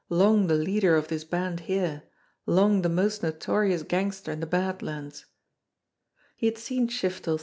long the leader of this band here, long the most notoricus gangster ir the h: He had seer Se:::^ er.